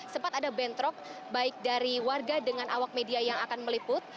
sempat ada bentrok baik dari warga dengan awak media yang akan meliput